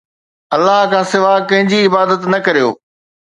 الله کانسواءِ ڪنهن جي عبادت نه ڪريو